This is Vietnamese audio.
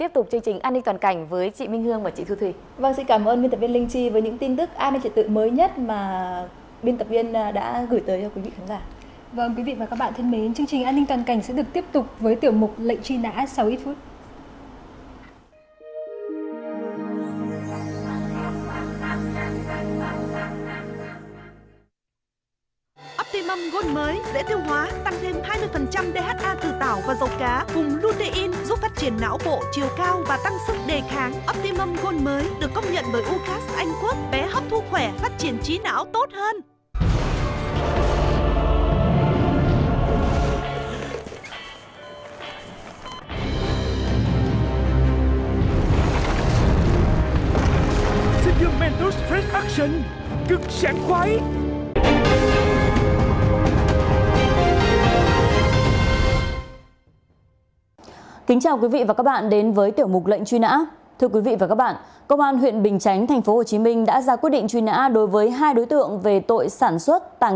optimum gold mới được công nhận bởi ucas anh quốc bé hấp thu khỏe phát triển trí não tốt hơn